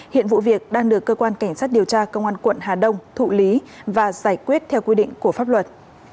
hiện vụ việc đang được cơ quan cảnh sát điều tra công an quận hà đông thụ lý và giải quyết theo quy định của pháp luật